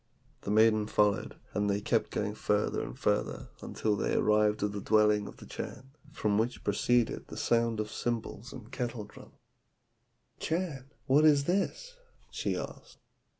"The maiden followed, and they kept going further and further, until they arrived at the dwelling of the Chan, from which proceeded the sound of cymbals and kettledrums. "'Chan, what is this?' she asked.